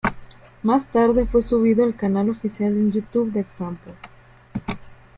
Más tarde fue subido al canal oficial en YouTube de Example.